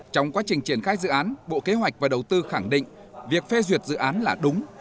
trong quá trình triển khai dự án bộ kế hoạch và đầu tư khẳng định việc phê duyệt dự án là đúng